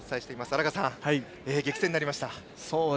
荒賀さん、激戦になりました。